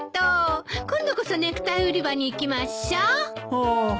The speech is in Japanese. ああ。